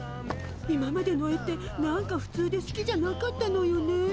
今までの絵って何かふつうですきじゃなかったのよね。